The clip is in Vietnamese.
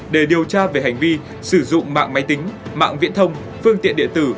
để điều tra về hành vi sử dụng mạng máy tính mạng viễn thông phương tiện điện tử